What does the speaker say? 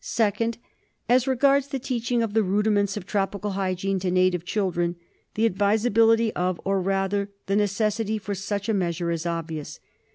Second : As regards the teaching of the rudiments of tropical hygiene to native children, the advisability of, or rather the necessity for such a measure is obvious.